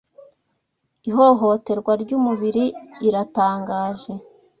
ihohoterwa ry’umubiri iratangaje